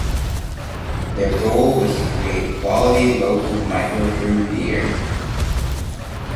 Their goal was to create quality local microbrew beer.